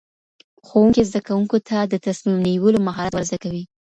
ښوونکی زدهکوونکو ته د تصمیم نیولو مهارت ورزده کوي.